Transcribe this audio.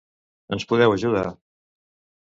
Ens podreu ajudar?